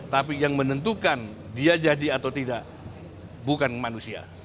tapi yang menentukan dia jadi atau tidak bukan manusia